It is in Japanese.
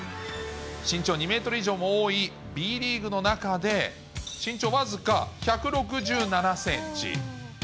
身長２メートル以上も多いＢリーグの中で、身長僅か１６７センチ。